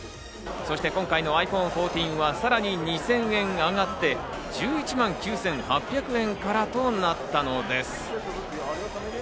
そして今回のｉＰｈｏｎｅ１４はさらに２０００円上がって、１１万９８００円からとなったのです。